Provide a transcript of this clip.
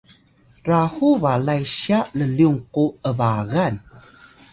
rahu balay sya llyung ku ’bagan